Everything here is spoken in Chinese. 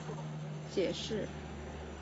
康熙五十六年丁酉科顺天乡试解元。